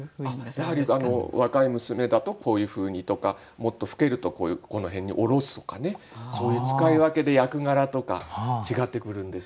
やはり若い娘だとこういうふうにとかもっと老けるとこの辺に下ろすとかねそういう使い分けで役柄とか違ってくるんです。